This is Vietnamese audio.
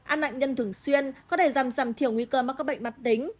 ăn nạn nhân thường xuyên có thể giảm giảm thiểu nguy cơ mắc các bệnh mặt tính